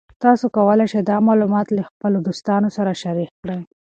تاسو کولی شئ دا معلومات له خپلو دوستانو سره شریک کړئ.